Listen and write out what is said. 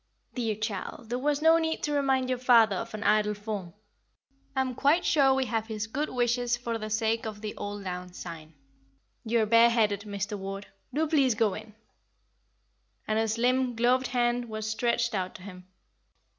"Dear child, there was no need to remind your father of an idle form. I am quite sure we have his good wishes for the sake of the auld lang syne. You are bareheaded, Mr. Ward. Do please go in;" and her slim, gloved hand was stretched out to him.